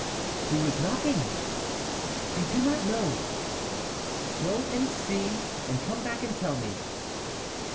"Who is knocking?" "I do not know." "Go and see, and come back and tell me."